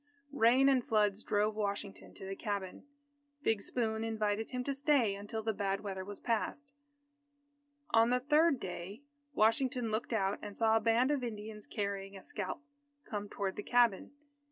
Rain and floods drove Washington to the cabin. Big Spoon invited him to stay until the bad weather was past. On the third day, Washington looked out and saw a band of Indians carrying a scalp, come toward the cabin.